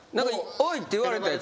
「おい」って言われたやつ？